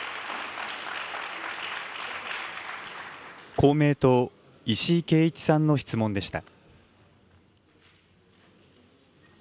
公明党、石井啓一さんの質問でした。